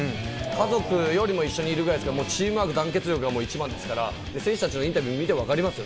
家族よりも一緒にいるくらいですから、チームワーク、団結力は一番ですから、選手たちのインタビュー見てわかりますから。